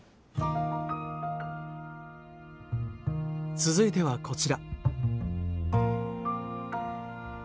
続いてはこちら。